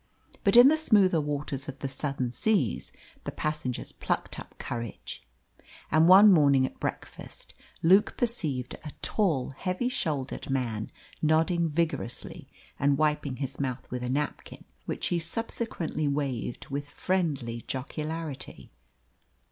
But in the smoother waters of the Southern seas the passengers plucked up courage, and one morning at breakfast Luke perceived a tall, heavy shouldered man nodding vigorously, and wiping his mouth with a napkin, which he subsequently waved with friendly jocularity.